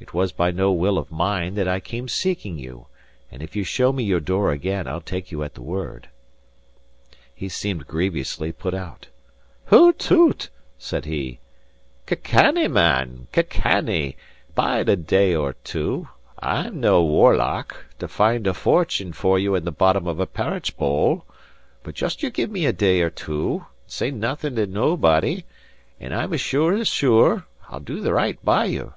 It was by no will of mine that I came seeking you; and if you show me your door again, I'll take you at the word." He seemed grievously put out. "Hoots toots," said he, "ca' cannie, man ca' cannie! Bide a day or two. I'm nae warlock, to find a fortune for you in the bottom of a parritch bowl; but just you give me a day or two, and say naething to naebody, and as sure as sure, I'll do the right by you."